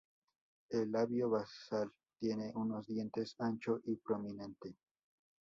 El labio basal tiene unos dientes ancho y prominente.